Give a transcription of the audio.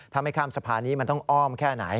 ถ้าไม่ข้ามสะพานนี้มันต้องอ้อมแค่ไหน